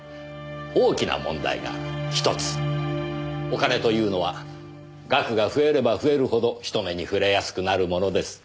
お金というのは額が増えれば増えるほど人目に触れやすくなるものです。